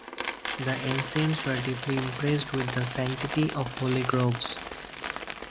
The ancients were deeply impressed with the sanctity of holy groves.